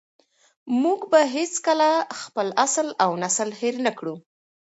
موږ به هېڅکله خپل اصل او نسل هېر نه کړو.